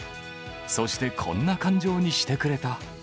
そしてこんな感情にしてくれた！